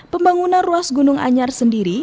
pembangunan ruas gunung anyar sendiri